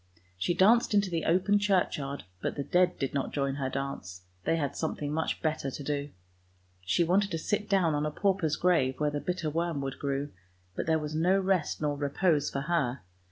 She danced into the open churchyard, but the dead did not join her dance, they had something much better to do. She wanted to sit down on a pauper's grave where the bitter worm wood grew, but there was no rest nor repose for her.